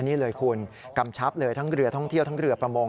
นี่เลยคุณกำชับเลยทั้งเรือท่องเที่ยวทั้งเรือประมง